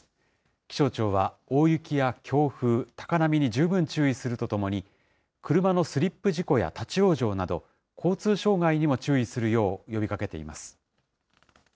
気象庁は大雪や強風、高波に十分注意するとともに、車のスリップ事故や立往生など、交通障害にも注意するよう呼びかけています。